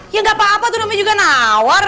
ya gak apa apa tuh namanya juga nawar